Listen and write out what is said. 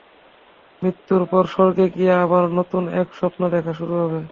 মৃত্যুর পর স্বর্গে গিয়া আবার নূতন এক স্বপ্ন দেখা শুরু হইবে।